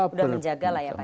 sudah menjaga lah ya kan